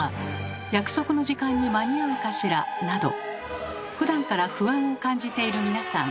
約束の時間に間に合うかしら？などふだんから不安を感じている皆さん。